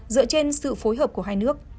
dựa trên sự phối hợp của hai nước